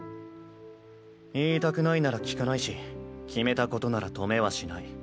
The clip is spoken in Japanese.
言いたくないなら聞かないし決めたことなら止めはしない。